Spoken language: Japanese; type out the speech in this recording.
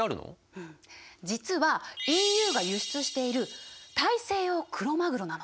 うん実はＥＵが輸出している大西洋クロマグロなの。